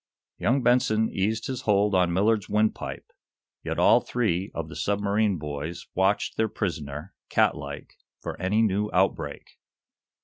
Young Benson eased his hold on Millard's wind pipe. Yet all three of the submarine boys watched their prisoner, cat like, for any new outbreak.